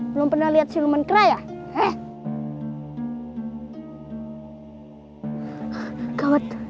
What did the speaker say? belum pernah liat siluman kera ya